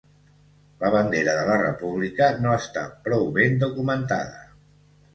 La bandera de la república no està prou ben documentada.